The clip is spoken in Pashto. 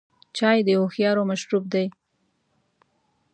چای د هوښیارو مشروب دی.